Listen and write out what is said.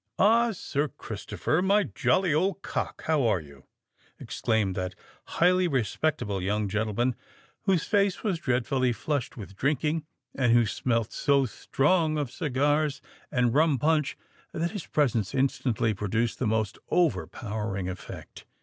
"Ah! Sir Christopher, my jolly old cock—how are you?" exclaimed that highly respectable young gentleman, whose face was dreadfully flushed with drinking, and who smelt so strong of cigars and rum punch that his presence instantly produced the most overpowering effect.